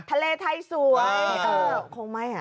ทะเลไทยสวนคงไม่อะ